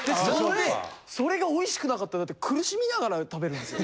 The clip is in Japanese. それが美味しくなかったら苦しみながら食べるんですよ。